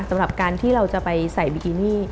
สำหรับการที่เราจะไปใส่บิกินี่